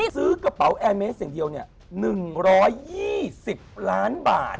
ซื้อกระเป๋าแอร์เมสอย่างเดียว๑๒๐ล้านบาท